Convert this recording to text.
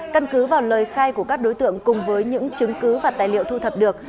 căn cứ vào lời khai của các đối tượng cùng với những chứng cứ và tài liệu thu thập được